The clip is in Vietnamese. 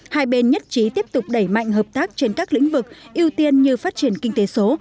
hai bên nhất trí tiếp tục đẩy mạnh hợp tác trên các lĩnh vực ưu tiên như phát triển kinh tế số